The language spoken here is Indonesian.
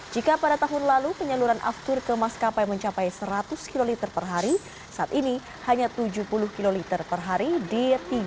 jika pada tahun lalu penyaluran aftur kemas kapai mencapai seratus kiloliter per hari saat ini hanya tujuh puluh kiloliter per hari di tiga bulan terakhir di dua ribu sembilan belas